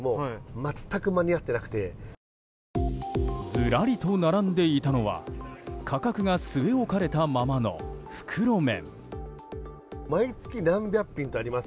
ずらりと並んでいたのは価格が据え置かれたままの袋麺。